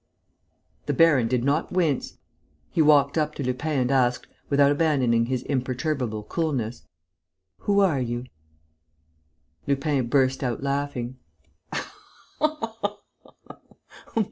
The baron did not wince. He walked up to Lupin and asked, without abandoning his imperturbable coolness: "Who are you?" Lupin burst out laughing.